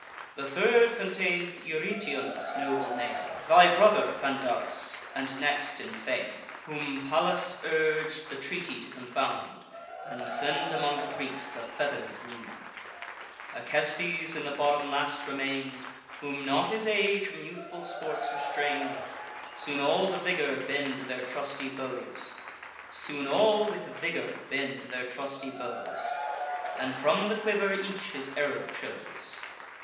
The third contain'd Eurytion's noble name, Thy brother, Pandarus, and next in fame, Whom Pallas urg'd the treaty to confound, And send among the Greeks a feather'd wound. Acestes in the bottom last remain'd, Whom not his age from youthful sports restrain'd. Soon all with vigour bend their trusty bows, And from the quiver each his arrow chose.